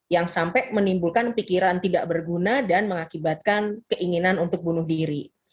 yang sampai menimbulkan pikiran tidak berguna dan mengakibatkan keinginan untuk bunuh diri